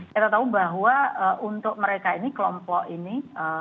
kita tahu bahwa untuk mereka ini kelompok ini